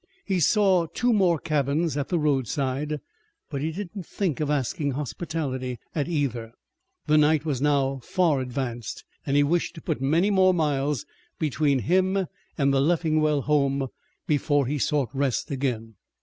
He saw two more cabins at the roadside, but he did not think of asking hospitality at either. The night was now far advanced and he wished to put many more miles between him and the Leffingwell home before he sought rest again.